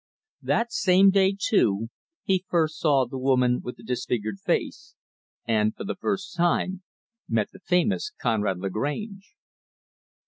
That same day, too, he first saw the woman with the disfigured face, and, for the first time, met the famous Conrad Lagrange.